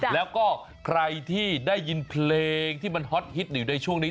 แล้วก็ใครที่ได้ยินเพลงที่มันฮอตฮิตอยู่ในช่วงนี้